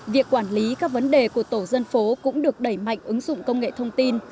việc quản lý các vấn đề của tổ dân phố cũng được đẩy mạnh ứng dụng công nghệ thông tin